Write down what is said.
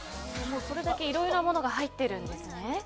それだけいろいろなものが入っているんですね。